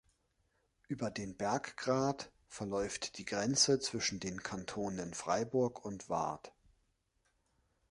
Über den Berggrat verläuft die Grenze zwischen den Kantonen Freiburg und Waadt.